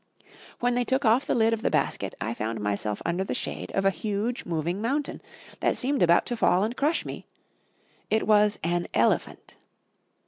When they took off the lid of the basket, I found myself under the shade of a huge moving mountain, that seemed about to fall and crush me. It was an elephant.